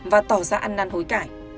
và tỏ ra ăn năn hối cải